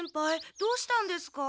どうしたんですか？